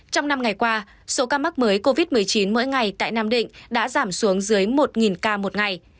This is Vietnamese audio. trong năm ngày qua số ca mắc mới covid một mươi chín mỗi ngày tại nam định đã giảm xuống dưới một ca một ngày